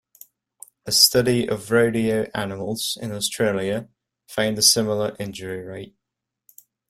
A study of rodeo animals in Australia found a similar injury rate.